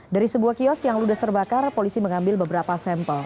dari sebuah kios yang ludes terbakar polisi mengambil beberapa sampel